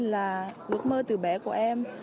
là ước mơ từ bé của em